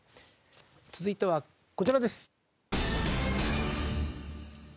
続いてはこちらです。